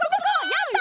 やった！